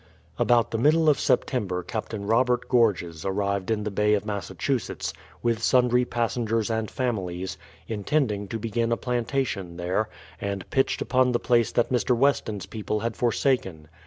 About the middle of September Captain Robert Gorges arrived in the Bay of Massachusetts, with sundry passengers and families, intending to begin a plantation there; and pitched upon the place that Mr. Weston's people had for saken.